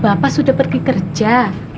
bapak sudah pergi kerja